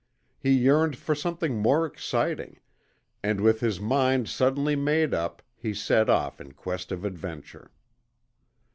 He yearned for something more exciting, and with his mind suddenly made up he set off in quest of adventure.